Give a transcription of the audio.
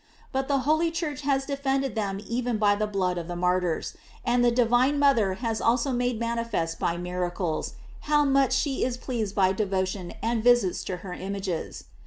But the holy Church has defended them even by the blood of the martyrs; and the divine mother has also made manifest by miracles, hov much she is pleased by devotion and visits to her im ages.